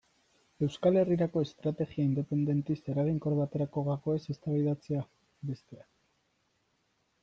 Euskal Herrirako estrategia independentista eraginkor baterako gakoez eztabaidatzea, bestea.